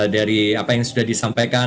dari apa yang sudah disampaikan